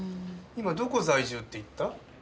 今どこ在住って言った？